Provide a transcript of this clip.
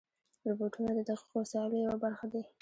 روبوټونه د دقیقو وسایلو یوه برخه دي.